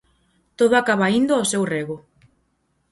Todo acaba indo ao seu rego.